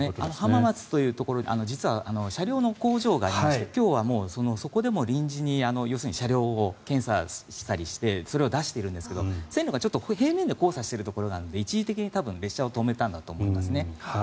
浜松というところ実は車両の工場がありまして今日はそこで臨時に要するに車両を検査したりしてそれを出してるんですけど線路が平面で交差しているところなので一時的に列車を止めたんだと思いますね。